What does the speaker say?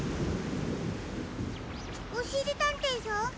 おしりたんていさん？